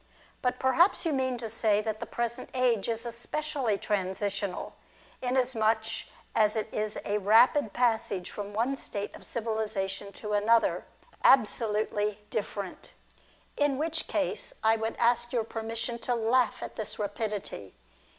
But perhaps you mean to say that the present age is especially transitional, inasmuch as it is a rapid pas sage from one state of civilisation to another, absolutely dififerent. In which case I would ask your permission to laugh at this rapidity.